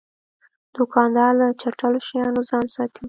دوکاندار له چټلو شیانو ځان ساتي.